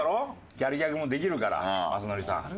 ギャルギャグもできるから雅紀さん。